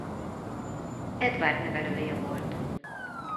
Edward nevelője volt.